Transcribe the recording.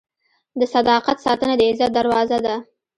د صداقت ساتنه د عزت دروازه ده.